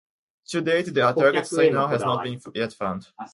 To date, a target signal has not yet been found.